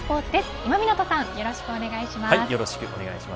今湊さんよろしくお願いします。